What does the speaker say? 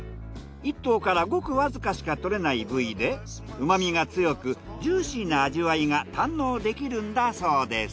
１頭からごくわずかしかとれない部位でうまみが強くジューシーな味わいが堪能できるんだそうです。